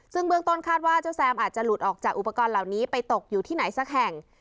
ซึ่งเบื้องต้นคาดว่าเจ้าแซมอาจจะหลุดออกจากอุปกรณ์เหล่านี้ไปตกอยู่ที่ไหนสักแห่ง